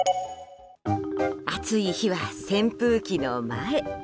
暑い日は扇風機の前。